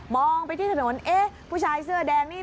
ไปที่ถนนเอ๊ะผู้ชายเสื้อแดงนี่